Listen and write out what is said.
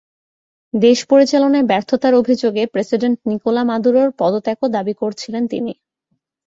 দেশ পরিচালনায় ব্যর্থতার অভিযোগে প্রেসিডেন্ট নিকোলা মাদুরোর পদত্যাগও দাবি করছিলেন তিনি।